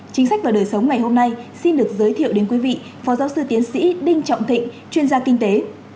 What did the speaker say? chính sách và đời sống ngày hôm nay xin được giới thiệu đến quý vị phó giáo sư tiến sĩ đinh trọng thịnh chuyên gia kinh tế